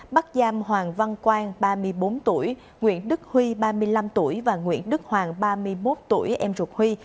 bắt giam hoàng văn quang ba mươi bốn tuổi nguyễn đức huy ba mươi năm tuổi và nguyễn đức hoàng ba mươi một tuổi em ruột huy